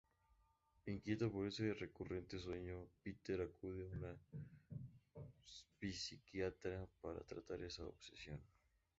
Inquieto por ese recurrente sueño Peter acude a un psiquiatra para tratar esta obsesión.